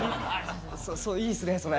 「いいっすねそれ」